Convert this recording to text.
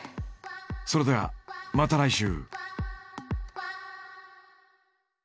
それではまた来週。